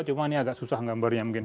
cuma ini agak susah gambarnya mungkin